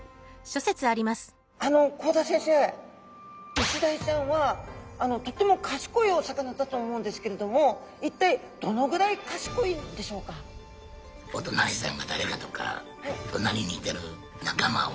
イシダイちゃんはとっても賢いお魚だと思うんですけれども一体どのぐらい賢いんでしょうか？